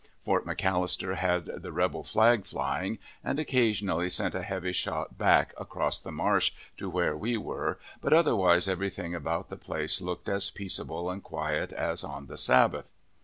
Fort McAllister had the rebel flag flying, and occasionally sent a heavy shot back across the marsh to where we were, but otherwise every thing about the place looked as peaceable and quiet as on the Sabbath.